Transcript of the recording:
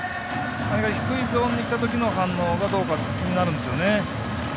あれが低いゾーンにきたときの反応がどうかになるんですよね。